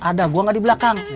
ada gua gak di belakang